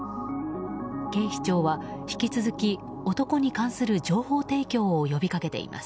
警視庁は引き続き男に関する情報提供を呼び掛けています。